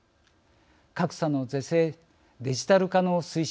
格差の是正、デジタル化の推進